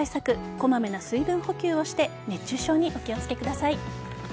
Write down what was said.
こまめな水分補給をして熱中症にお気を付けください。